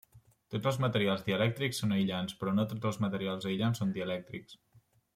Tots els materials dielèctrics són aïllants però no tots els materials aïllants són dielèctrics.